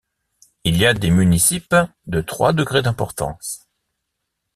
Il y a des municipes de trois degrés d'importance.